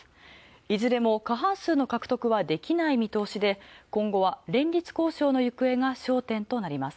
いずれも過半数の獲得はできない見通しで、今後は連立交渉の行方が焦点となります。